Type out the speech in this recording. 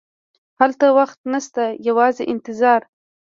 هلته وخت نه شته، یوازې انتظار.